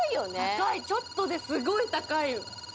ちょっとですごい高い！